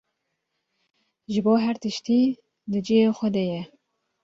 ji bo her tiştî di cihê xwe de ye.